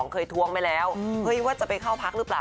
เคยทวงไปแล้วเฮ้ยว่าจะไปเข้าพักหรือเปล่า